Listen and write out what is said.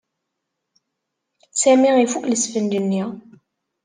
Sami ifuk lesfenǧ-nni.